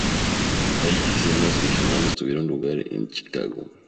Varias escenas adicionales tuvieron lugar en Chicago.